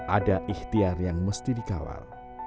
ada ikhtiar yang mesti dikawal